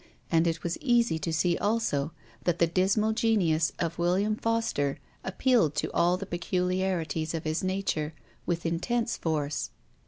And it was easy to see also that the dismal genius of '' William Foster " appealed to all the peculiarities of his nature with intense force.